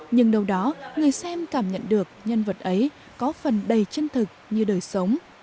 nhưng đâu đó người xem cảm nhận được nhân vật ấy có phần đầy chân thực như đời sống